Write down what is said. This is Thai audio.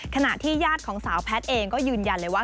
ขณะที่ญาติของสาวแพทย์เองก็ยืนยันเลยว่า